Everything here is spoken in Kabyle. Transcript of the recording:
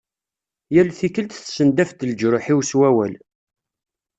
Yal tikelt tessendaf-d leǧruḥ-iw s wawal.